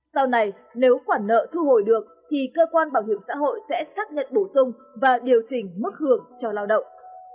sau này nếu khoản nợ thu hồi được thì cơ quan bảo hiểm xã hội sẽ xác nhận bổ sung và điều chỉnh mức hưởng cho lao động